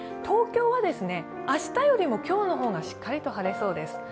東京は明日よりも今日の方がしっかりと晴れそうです。